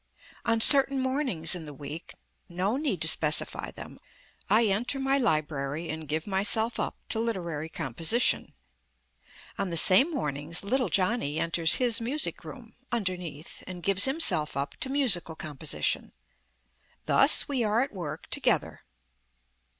On certain mornings in the week no need to specify them I enter my library and give myself up to literary composition. On the same mornings little Johnny enters his music room (underneath) and gives himself up to musical composition. Thus we are at work together.